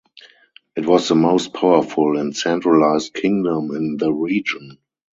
It was the most powerful and centralized kingdom in the region.